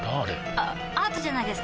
あアートじゃないですか？